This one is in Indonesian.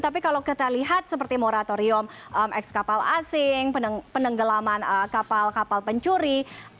tapi kalau kita lihat seperti moratorium eks kapal asing penenggelaman kapal kapal pencuri